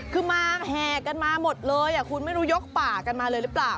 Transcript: คือมาแห่กันมาหมดเลยคุณไม่รู้ยกป่ากันมาเลยหรือเปล่า